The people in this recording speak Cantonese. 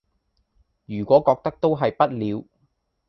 如果覺得都係不了